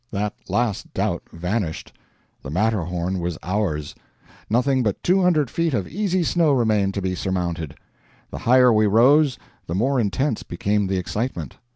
That last doubt vanished! The Matterhorn was ours! Nothing but two hundred feet of easy snow remained to be surmounted. The higher we rose, the more intense became the excitement.